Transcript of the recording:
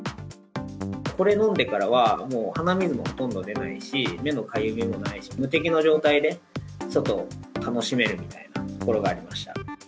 これ飲んでからは、もう鼻水もほとんど出ないし、目のかゆみもないし、無敵の状態で外を楽しめるみたいなところがありました。